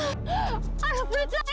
keadaan ini enak sekali